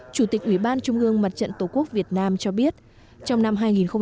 chủ tịch ủy ban trung ương mặt trận tổ quốc việt nam cho biết trong năm hai nghìn một mươi chín